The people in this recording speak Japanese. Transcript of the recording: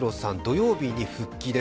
土曜日に復帰です。